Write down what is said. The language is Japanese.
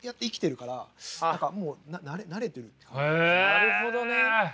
なるほどね。